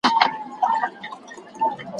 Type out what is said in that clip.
د مالونو تبادلې د نړۍ هېوادونه سره نږدې کړل.